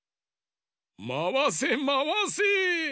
まわせまわせ。